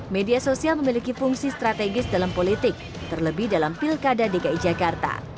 media sosial memiliki fungsi strategis dalam politik terlebih dalam pilkada dki jakarta